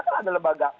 kan ada lembaga